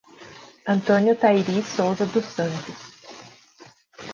Antônia Tairis Souza dos Santos